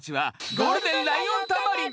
ゴールデンライオンタマリン！